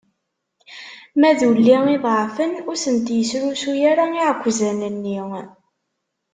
Ma d ulli iḍeɛfen, ur sent-isrusu ara iɛekkzan-nni.